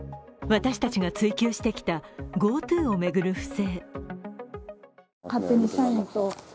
私たちが追及してきたＧｏＴｏを巡る不正。